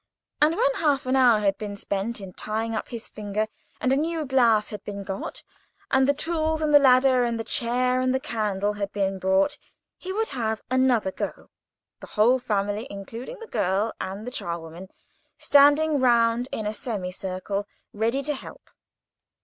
And, when half an hour had been spent in tying up his finger, and a new glass had been got, and the tools, and the ladder, and the chair, and the candle had been brought, he would have another go, the whole family, including the girl and the charwoman, standing round in a semi circle, ready to help.